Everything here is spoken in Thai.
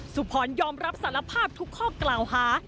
สุพรยอมรับสารภาพทุกข้อกล่าวหา